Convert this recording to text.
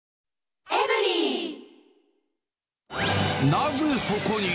なぜそこに？